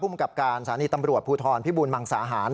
ผู้มันกลับการสารีตำรวจภูทรพิบูรณ์มังสาหาร